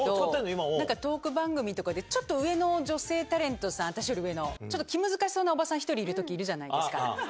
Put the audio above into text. なんかトーク番組とかで、ちょっと上の女性タレントさん、私より上の、ちょっと気難しそうなおばさん、１人いるときあるじゃないですか。